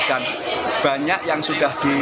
dan banyak yang sudah di